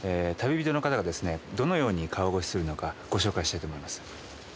旅人の方がどのように川越しするのかご紹介したいと思います。